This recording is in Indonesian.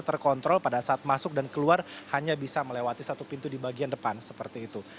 terkontrol pada saat masuk dan keluar hanya bisa melewati satu pintu di bagian depan seperti itu